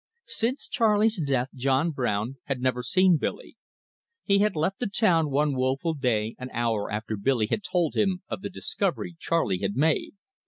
Since Charley's death John Brown had never seen Billy: he had left the town one woful day an hour after Billy had told him of the discovery Charley had made.